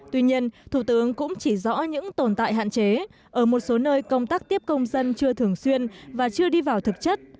tuy nhiên thủ tướng cũng chỉ rõ những tồn tại hạn chế ở một số nơi công tác tiếp công dân chưa thường xuyên và chưa đi vào thực chất